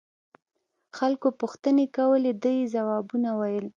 خلقو پوښتنې کولې ده يې ځوابونه ويل.